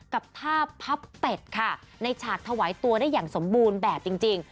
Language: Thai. กับท่าพับเป็ดค่ะในฉากถวายตัวได้อย่างสมบูรณ์แบบจริง